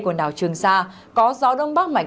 quần đảo trường sa có gió đông bắc mạnh